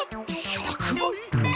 １００倍！？